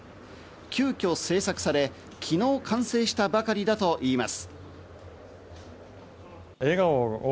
急きょ制作され、昨日完成したばかりだといいます。